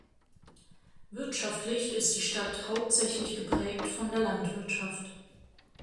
Wirtschaftlich ist die Stadt hauptsächlich geprägt von der Landwirtschaft.